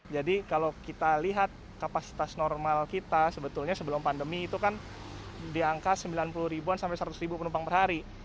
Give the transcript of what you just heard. jadi kalau kita lihat kapasitas normal kita sebetulnya sebelum pandemi itu kan diangka sembilan puluh seratus penumpang per hari